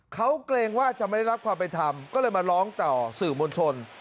เขาเกรงว่าจะไม่ได้รับความเป็นธรรมก็เลยมาร้องต่อสื่อมวลชน